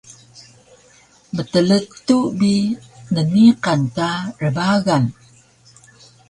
mtleetu bi nniqan ka rbagan